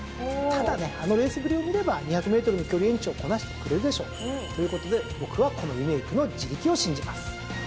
ただねあのレースぶりを見れば２００ｍの距離延長こなしてくれるでしょう。ということで僕はこのリメイクの地力を信じます。